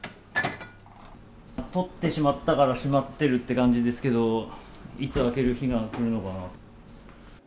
取ってしまったからしまってるって感じですけど、いつ開ける日が来るのかな。